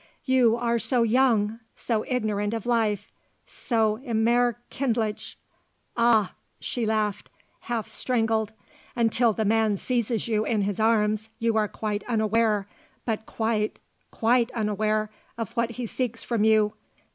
"You are so young, so ignorant of life so immer kindlich! Ah!" she laughed, half strangled, "until the man seizes you in his arms you are quite unaware but quite, quite unaware of what he seeks from you.